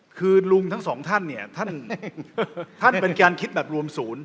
คือลุงทั้งสองท่านเนี่ยท่านเป็นการคิดแบบรวมศูนย์